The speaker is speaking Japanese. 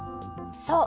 そう。